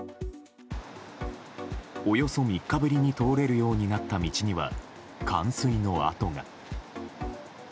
およそ３日ぶりに通れるようになった道には冠水の跡が。